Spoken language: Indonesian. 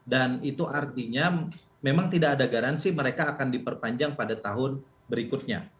dan itu artinya memang tidak ada garansi mereka akan diperpanjang pada tahun berikutnya